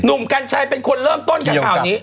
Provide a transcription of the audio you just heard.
กัญชัยเป็นคนเริ่มต้นกันข่าวนี้